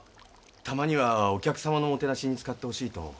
たまにはお客様のもてなしに使ってほしいと。